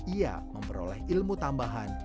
ia memperoleh ilmu tambahan